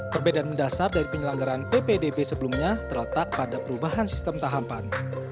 perbedaan mendasar dari penyelenggaraan ppdb sebelumnya terletak pada perubahan sistem tahapan